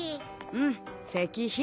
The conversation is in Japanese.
うん石碑。